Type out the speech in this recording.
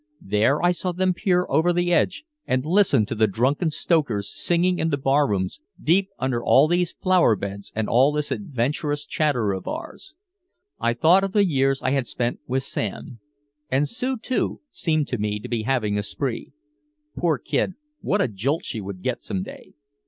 There I saw them peer over the edge and listen to the drunken stokers singing in the barrooms deep under all these flower beds and all this adventurous chatter of ours. I thought of the years I had spent with Sam and Sue, too, seemed to me to be having a spree. Poor kid, what a jolt she would get some day.